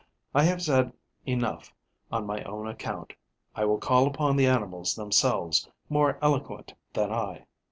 I have said enough on my own account; I will call upon the animals themselves, more eloquent than I.